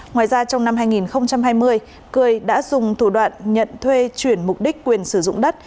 ngoài ra trong năm hai nghìn hai mươi cười đã dùng thủ đoạn nhận thuê chuyển mục đích quyền sử dụng đất